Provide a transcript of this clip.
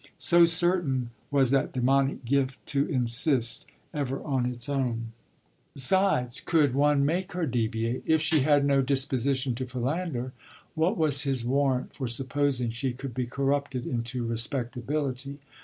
So certain was that demonic gift to insist ever on its own. Besides, could one make her deviate? If she had no disposition to philander what was his warrant for supposing she could be corrupted into respectability?